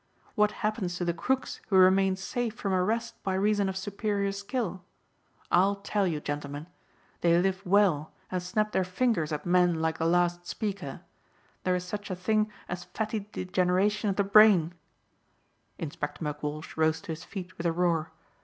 What happens to the crooks who remain safe from arrest by reason of superior skill? I'll tell you, gentlemen. They live well and snap their fingers at men like the last speaker. There is such a thing as fatty degeneration of the brain " Inspector McWalsh rose to his feet with a roar.